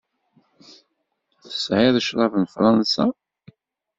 Tesεiḍ ccrab n Fransa?